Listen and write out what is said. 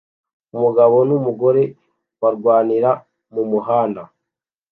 Umugabo numugore barwanira mumuhanda